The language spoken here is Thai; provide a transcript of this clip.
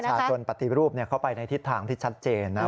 จนปฏิรูปเข้าไปในทิศทางที่ชัดเจนนะ